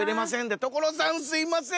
所さんすいません。